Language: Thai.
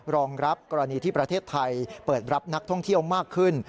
รองรับกรณีที่ประเทศไทยเปิดรับนักท่องเที่ยวมากขึ้น